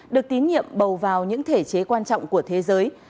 được tín nhiệm bầu vào những thể chế quan trọng của thế giới